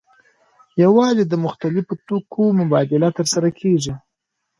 یوازې د مختلفو توکو مبادله ترسره کیږي.